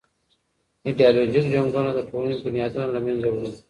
ایډیالوژیک جنګونه د ټولني بنیادونه له منځه وړي.